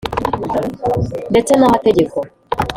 ndetse n' amategeko,